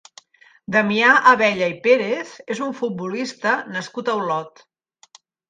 Damià Abella i Pérez és un futbolista nascut a Olot.